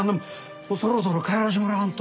そろそろ帰らせてもらわんと。